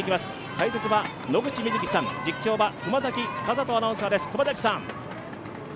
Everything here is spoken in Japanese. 解説は野口みずきさん、実況は熊崎風斗アナウンサーです。